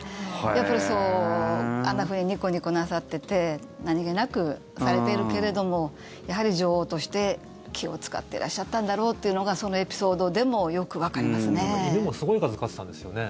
やっぱり、あんなふうにニコニコなさってて何げなくされているけれどもやはり女王として気を使ってらっしゃったんだろうというのがそのエピソードでもよくわかりますね。